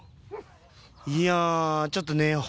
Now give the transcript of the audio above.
いやあちょっと寝よう。